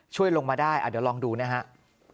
ช่วยลงมาได้เดี๋ยวลองดูนะครับ